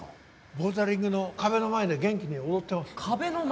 ボルダリングの壁の前で元気に踊ってます。